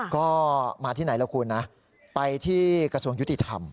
ก็มาที่ไหนล่ะคุณนะไปที่กระทรวงยุติธรรม